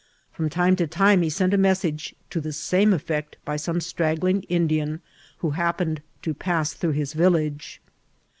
From time to time he sent a message to the same effect by some straggling Indian who happened to pass through his village.